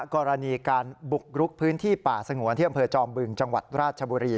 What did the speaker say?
กรณีการบุกรุกพื้นที่ป่าสงวนที่อำเภอจอมบึงจังหวัดราชบุรี